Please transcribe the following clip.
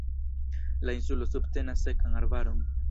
La insulo subtenas sekan arbaron.